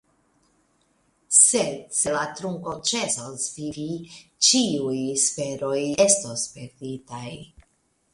Sed se la trunko ĉesos vivi, ĉiuj esperoj estos perditaj.